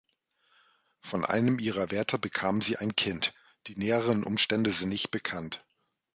Von einem ihrer Wärter bekam sie ein Kind, die näheren Umstände sind nicht bekannt.